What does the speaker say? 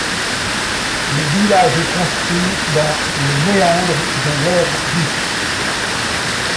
Le village est construit dans le méandre de l'Hers-Vif.